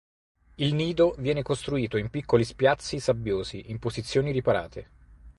Il nido viene costruito in piccoli spiazzi sabbiosi in posizioni riparate.